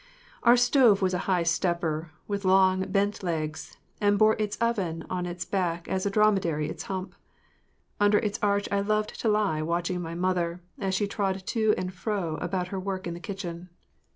Our stove was a high stepper, with long bent legs, and bore its oven on its back as a dromedary his hump. Under its arch I loved to lie watching my mother as she trod to and fro about her work in the kitchen.